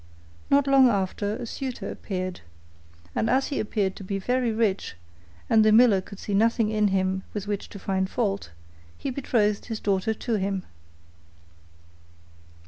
Not long after a suitor appeared, and as he appeared to be very rich and the miller could see nothing in him with which to find fault, he betrothed his daughter to him.